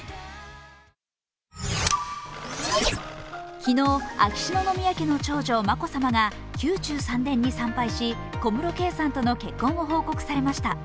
昨日、秋篠宮家の長女、眞子さまが宮中三殿に参拝し、小室圭さんとの結婚を報告されました。